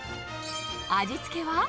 味付けは。